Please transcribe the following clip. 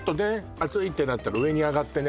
熱いってなったら上に上がってね